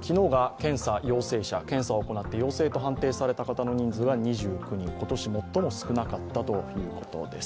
昨日が検査を行って陽性と認定された方が２９人、今年最も少なかったということです。